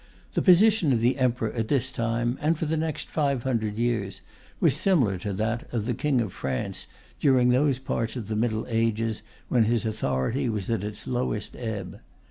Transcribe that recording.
The position of the Emperor at this time, and for the next 500 years, was similar to that of the King of France during those parts of the Middle Ages when his authority was at its lowest ebb.